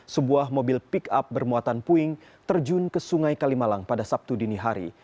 sebuah mobil pick up bermuatan puing terjun ke sungai kalimalang pada sabtu dini hari